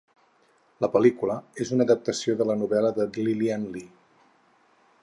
La pel·lícula és una adaptació de la novel·la de Lilian Lee.